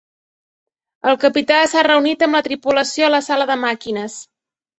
El capità s'ha reunit amb la tripulació a la sala de màquines.